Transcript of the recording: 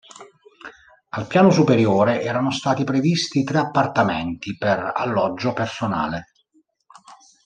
Al piano superiore erano stati previsti tre appartamenti per alloggio personale.